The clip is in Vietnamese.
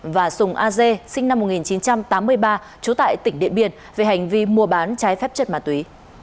và sùng ag sinh năm một nghìn chín trăm tám mươi ba trú tại tỉnh điện biển về hành vi mua bán trái phép chất mà tuý